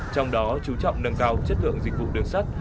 trong đó chú trọng nâng cao chất lượng dịch vụ đường sắt